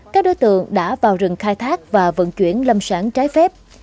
các đối tượng đã vào rừng khai thác và vận chuyển lâm sản trái phép